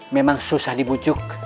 memang susah dibujuk